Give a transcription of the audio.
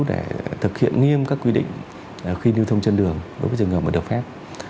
để thực hiện nghiêm các quy định khi lưu thông trên đường đối với trường hợp mà được phép